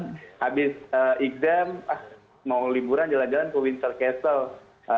habis exam mau liburan jalan jalan ke winter castle